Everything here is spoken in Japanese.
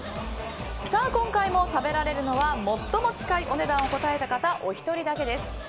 今回も食べられるのは最も近いお値段を答えた方お一人だけです。